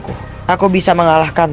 kau sudah menguasai ilmu karang